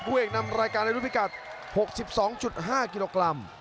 ผู้เอกนำรายการในรุ่นพิกัด๖๒๕กิโลกรัม